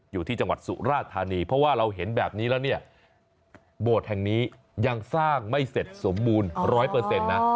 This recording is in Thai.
อยู่ที่จังหวัดสุราธานีเพราะว่าเราเห็นแบบนี้แล้วเนี่ยโบสถ์แห่งนี้ยังสร้างไม่เสร็จสมบูรณ์ร้อยเปอร์เซ็นต์นะ